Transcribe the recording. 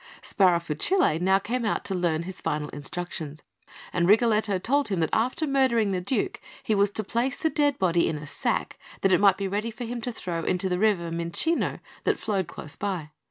Sparafucile now came out to learn his final instructions, and Rigoletto told him that after murdering the Duke, he was to place the dead body in a sack, that it might be ready for him to throw into the river Mincio that flowed close by.